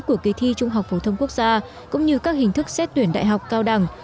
của kỳ thi trung học phổ thông quốc gia cũng như các hình thức xét tuyển đại học cao đẳng